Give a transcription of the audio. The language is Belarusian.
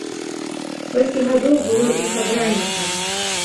Колькі гадоў было іх абраннікам?